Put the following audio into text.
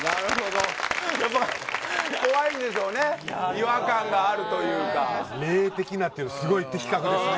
違和感があるというか霊的なっていうのすごい的確ですね